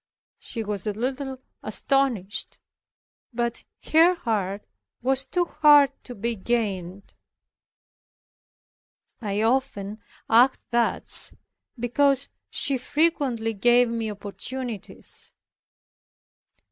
She was a little astonished, but her heart was too hard to be gained. I often acted thus because she frequently gave me opportunities.